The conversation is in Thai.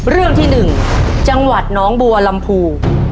เรื่องที่๑จังหวัดน้องบัวลำพู